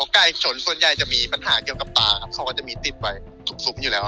ใก่สนส่วนใยจะมีปัญหาเกี่ยวกับตาครับเขาก็จะมีติดไว้สุบอยู่แล้ว